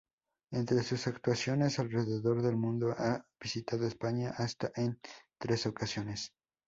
Entre sus actuaciones alrededor del mundo, ha visitado España hasta en tres ocasiones.